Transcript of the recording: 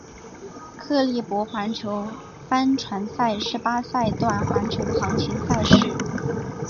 克利伯环球帆船赛是八赛段环球航行赛事。